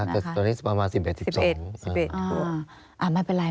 ตอนนี้ประมาณ๑๑๑๒